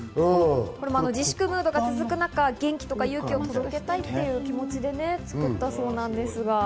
自粛ムードが続く中、元気、勇気を届けたいという気持ちで作ったそうです。